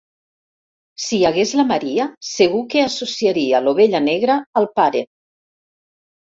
Si hi hagués la Maria segur que associaria l'ovella negra al pare.